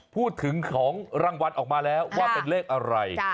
พูดถึงของรางวัลออกมาแล้วว่าเป็นเลขอะไร